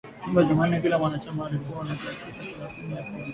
Siku ya jumanne kila mwanachama alikuwa na dakika thelathini za kumhoji